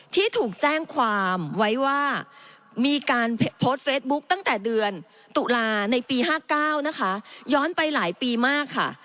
ที่ถูกแจ้งความไว้ว่ามีการโพสต์เฟซบุ๊คตั้งแต่เดือนตุลาในปี๕๙นะคะย้อนไปหลายปีมากค่ะ